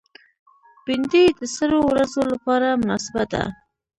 بېنډۍ د سړو ورځو لپاره مناسبه ده